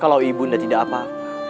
kalau ibu undang tidak apa apa